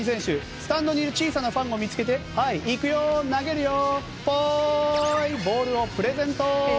スタンドにいる小さなファンを見つけていくよ、投げるよ、ポーイとボールをプレゼント。